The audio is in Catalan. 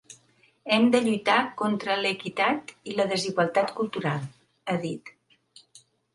Hem de lluitar contra l’equitat i la desigualtat cultural, ha dit.